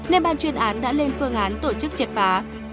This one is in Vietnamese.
nên ban chuyên án đã lên phương án tổ chức triệt phá